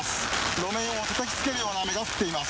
路面をたたきつけるような雨が降っています。